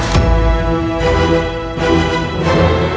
disuruh untuk salsi